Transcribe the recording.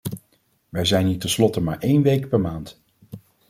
Wij zijn hier tenslotte maar één week per maand.